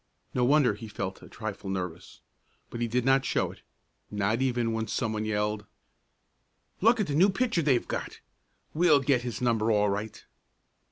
No wonder he felt a trifle nervous, but he did not show it, not even when some one yelled: "Look at the new pitcher they've got! We'll get his number all right."